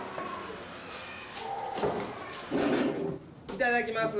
いただきます。